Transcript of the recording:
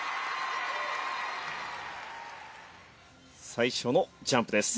最初のジャンプです。